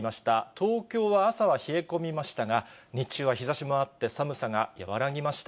東京は朝は冷え込みましたが、日中は日ざしもあって、寒さが和らぎました。